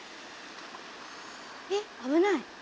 えっ危ない！